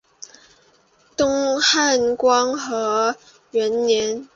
东汉光和元年。